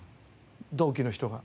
同期の人が。